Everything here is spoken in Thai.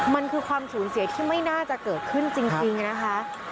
มันคือความสูญเสียที่ไม่น่าจะเกิดขึ้นจริงนะคะ